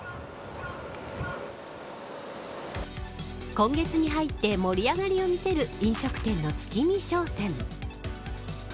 今月に入って盛り上がりを見せるに飲食店の月見商戦。